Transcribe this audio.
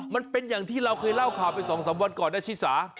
มันเป็นอย่างที่เราเคยเล่าข่าวไป๒๓วันก่อนนะชิสา